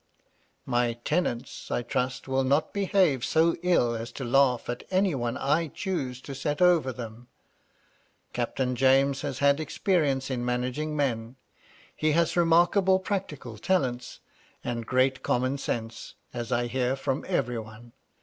" My tenants, I trust, will not behave so ill as to laugh at any one I choose to set over them. Captain James has had experience in managing men. He has remarkable practical talents, and great common sense, as I hear from every one.